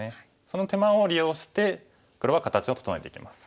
その手間を利用して黒は形を整えていきます。